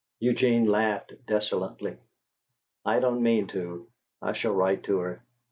Eugene laughed desolately. "I don't mean to. I shall write to her.